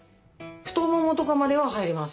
太ももとかまでは入りますね